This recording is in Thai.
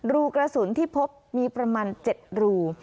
รูกระสุนที่พบมีประมาณ๗รู